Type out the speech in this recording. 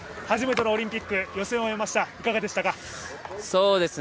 初めてのオリンピック予選終えました、いかがでした？